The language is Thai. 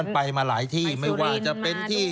ไปมาหลายที่ไม่ว่าจะเป็นที่